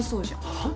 はっ？